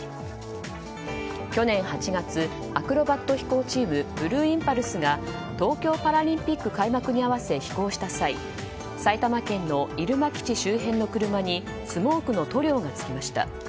去年８月アクロバット飛行チームブルーインパルスが東京パラリンピック開幕に合わせ飛行した際埼玉県の入間基地周辺の車にスモークの塗料がつきました。